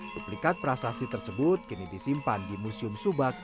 duplikat prasasti tersebut kini disimpan di museum subak